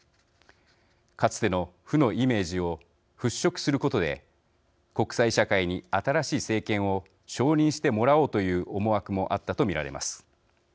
かつての負のイメージを払拭することで国際社会に新しい政権を承認してもらおうという思惑もあったと見られます。